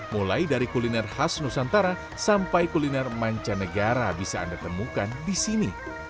mulai dari kuliner khas nusantara sampai kuliner mancanegara bisa anda temukan di sini